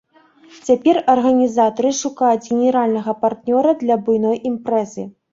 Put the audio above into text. Цяпер арганізатары шукаюць генеральнага партнёра для буйной імпрэзы.